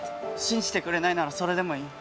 信じてくれないならそれでもいい。